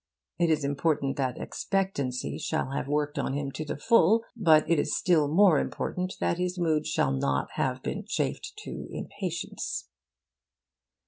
It is important that expectancy shall have worked on him to the full, but it is still more important that his mood shall not have been chafed to impatience.